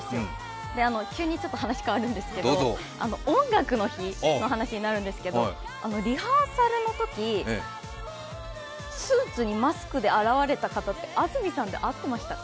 急に話変わるんですけど「音楽の日」の話になるんですけどリハーサルのとき、スーツでマスクで現れた方って安住さんで合ってましたか？